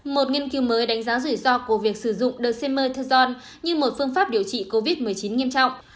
một nghiên cứu mới đánh giá rủi ro của việc sử dụng demer tejon như một phương pháp điều trị covid một mươi chín nghiêm trọng